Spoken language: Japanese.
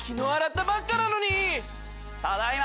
ただいま！